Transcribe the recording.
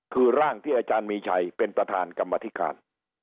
คือร่างที่อาจารย์มีชัยเป็นประธานกรรมธิการ